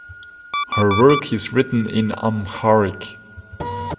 Her work is written in Amharic.